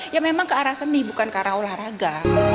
ya memang ke arah seni bukan ke arah olahraga